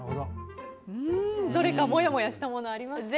どれか、もやもやしたものありました？